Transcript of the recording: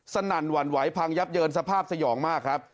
สนั่นหวั่นไหวพังยับเยินสภาพสยองมากครับ